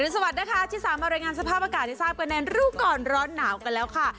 สวัสดีนะคะที่สามารถรายงานสภาพอากาศให้ทราบกันในรู้ก่อนร้อนหนาวกันแล้วค่ะ